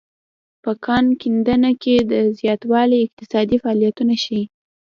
په کان کیندنه کې دا زیاتوالی اقتصادي فعالیتونه ښيي.